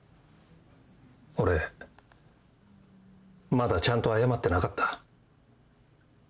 俺まだちゃんと謝ってなかった。